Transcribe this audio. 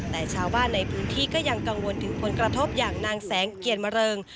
แต่ชาวบ้านในพื้นที่ก็ยังกังวลถึงผลกระทบอย่างนางแสงเกียรติมะเริง